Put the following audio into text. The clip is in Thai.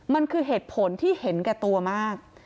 มันคือเหตุผลที่เห็นแก่ตัวมาก